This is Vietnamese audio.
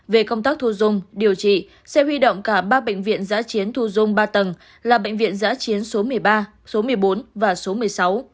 về công tác thu dung điều trị sẽ huy động cả ba bệnh viện giã chiến thu dung ba tầng là bệnh viện giã chiến số một mươi ba số một mươi bốn và số một mươi sáu